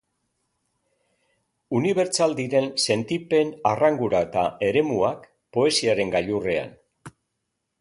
Unibertsal diren sentipen, arrangura eta eremuak, poesiaren gailurrean.